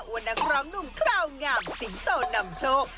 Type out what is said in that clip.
ว่านักร้องหนุ่มคราวงามสิงโตนำโชค